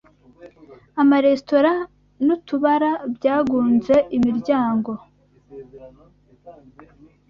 amaresitora n’utubara byagunze imiryango